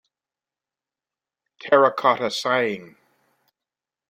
Terracotta Sighing.